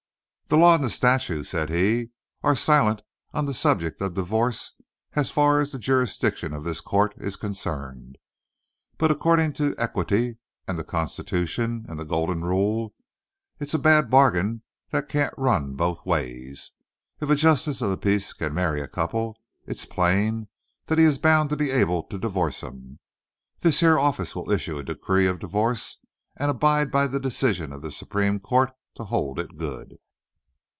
"The law and the statutes," said he, "air silent on the subjeck of divo'ce as fur as the jurisdiction of this co't air concerned. But, accordin' to equity and the Constitution and the golden rule, it's a bad barg'in that can't run both ways. If a justice of the peace can marry a couple, it's plain that he is bound to be able to divo'ce 'em. This here office will issue a decree of divo'ce and abide by the decision of the Supreme Co't to hold it good."